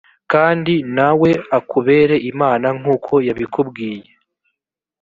kandi na we akubere imana nk’uko yabikubwiye,